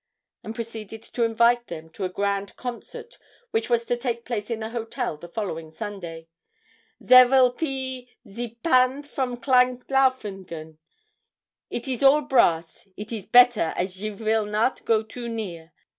and proceeded to invite them to a grand concert, which was to take place in the hotel the following Sunday. 'Zere vill pe ze pandt from Klein Laufingen; it is all brass, and it is better as you vill not go too near.